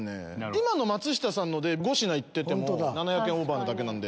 今の松下さんで５品行ってても７００円オーバーなだけなので。